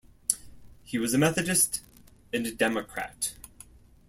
He was a Methodist and a Democrat.